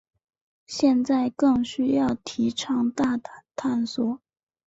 现在更需要提倡大胆探索。